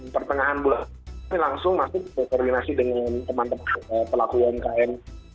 pertengahan bulan ini langsung masuk koordinasi dengan teman teman pelaku umkm